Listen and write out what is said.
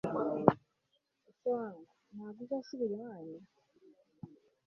ese wangu! ntago uzasubira iwanyu!